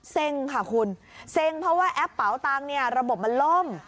เซ็งค่ะคุณเซ็งเพราะว่าแอปเป๋าตังค์เนี่ยระบบมันล่ม